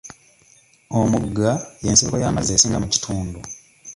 Omugga y'ensibuko y'amazzi esinga mu kitundu.